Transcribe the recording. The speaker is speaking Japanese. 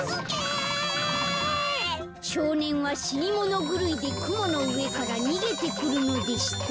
「しょうねんはしにものぐるいでくものうえからにげてくるのでした」。